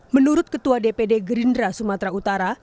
menurut ketua dpd gerindra sumatera utara